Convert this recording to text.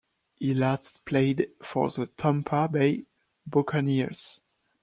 He last played for the Tampa Bay Buccaneers.